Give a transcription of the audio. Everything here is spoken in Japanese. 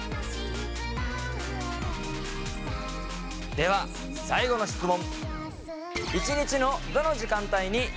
では最後の質問。